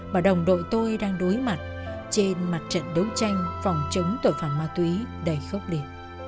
mà đồng đội tôi đang đối mặt trên mặt trận đấu tranh phòng chống tội phạm ma túy đầy khốc liệt